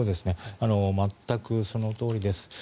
全くそのとおりです。